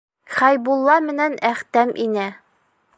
Хәйбулла менән Әхтәм инә.